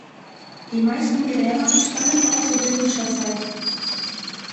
Die meisten Gräber stammen aus römischer Zeit.